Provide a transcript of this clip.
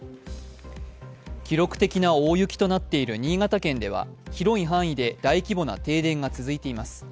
記録的な大雪となっている新潟県では広い範囲で大規模な停電が続いています。